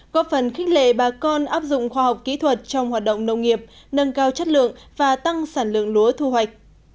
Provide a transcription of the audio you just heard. góp phần khích lệ bà con áp dụng khoa học kỹ thuật trong hoạt động nông nghiệp nâng cao chất lượng và tăng sản lượng lúa thu hoạch